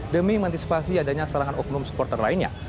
demi mengantisipasi adanya serangan oknum supporter lainnya